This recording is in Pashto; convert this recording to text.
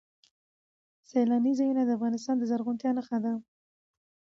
سیلانی ځایونه د افغانستان د زرغونتیا نښه ده.